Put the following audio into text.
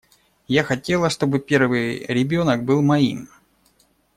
Я хотела, чтобы первый ребенок был моим.